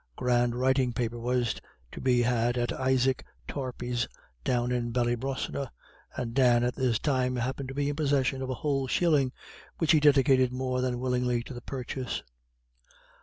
Grand writing paper was to be had at Isaac Tarpey's, down in Ballybrosna, and Dan at this time happened to be in possession of a whole shilling, which he dedicated more than willingly to the purchase.